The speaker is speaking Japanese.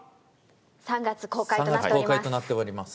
３月公開となっております。